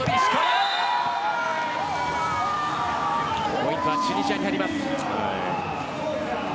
ポイントはチュニジアに入ります。